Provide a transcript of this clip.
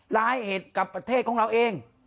ร้ายเหตุกับประเทศของเราเอง